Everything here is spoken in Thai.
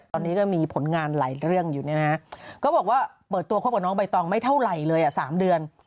ตอนนี้ก็มีผลงานหลายเรื่องอยู่เนี่ยนะฮะก็บอกว่าเปิดตัวคบกับน้องใบตองไม่เท่าไหร่เลย๓เดือน